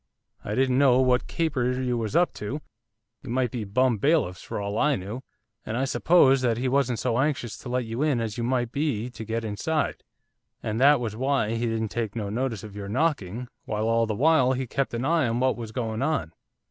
I didn't know what caper you was up to, you might be bum bailiffs for all I knew! and I supposed that he wasn't so anxious to let you in as you might be to get inside, and that was why he didn't take no notice of your knocking, while all the while he kept a eye on what was going on.